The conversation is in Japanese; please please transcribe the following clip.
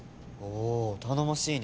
お頼もしいね